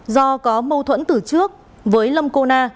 do có mâu thuẫn từ trước với lâm cô na